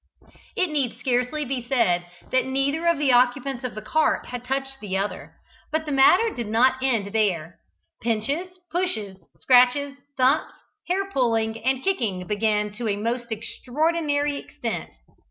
It need scarcely be said that neither of the occupants of the cart had touched the other; but the matter did not end there. Pinches, pushes, scratches, thumps, hair pulling, and kicking began to a most extraordinary extent.